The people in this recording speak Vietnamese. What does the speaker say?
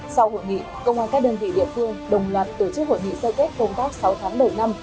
sau hội nghị công an các đơn vị địa phương đồng loạt tổ chức hội nghị sơ kết công tác sáu tháng đầu năm